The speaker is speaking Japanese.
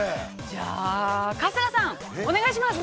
◆じゃあ、春日さん、お願いします。